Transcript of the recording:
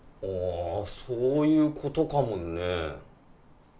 あそういうことかもね。